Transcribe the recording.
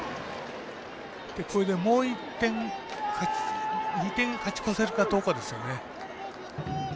もう１点、２点勝ち越せるかどうかですよね。